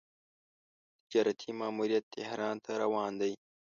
تجارتي ماموریت تهران ته روان دی.